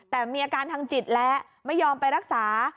แต่มีอาการทางจิตแล้วไม่ยอมไปรักษา